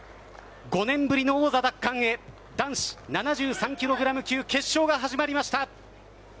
５年ぶりの王座奪還へ男子７３ｋｇ級決勝が始まりました。